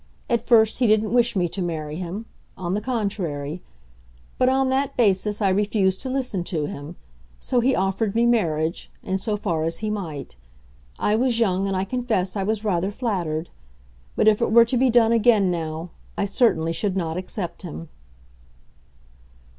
At first he didn't wish me to marry him; on the contrary. But on that basis I refused to listen to him. So he offered me marriage—in so far as he might. I was young, and I confess I was rather flattered. But if it were to be done again now, I certainly should not accept him."